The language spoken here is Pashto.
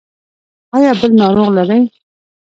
ایا بل ناروغ لرئ؟